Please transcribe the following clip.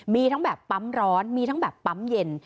มีทั้งแบบปั๊มร้อนมีทั้งแบบปั๊มเย็น